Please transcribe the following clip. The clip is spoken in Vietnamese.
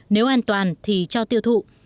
nếu an toàn thì cho tiêu thụ